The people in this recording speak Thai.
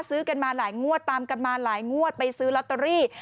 ซื้อกันมาหลายงวดตามกันมาหลายงวดไปซื้อลอตเตอรี่